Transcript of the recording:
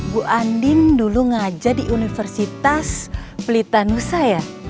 bu andin dulu ngajak di universitas pelitanusa ya